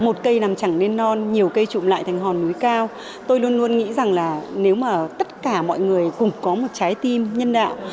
một cây nằm chẳng lên non nhiều cây trụm lại thành hòn núi cao tôi luôn luôn nghĩ rằng là nếu mà tất cả mọi người cùng có một trái tim nhân đạo